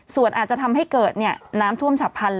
ส่วนอาจจะทำให้เกิดน้ำท่วมฉับพันธุ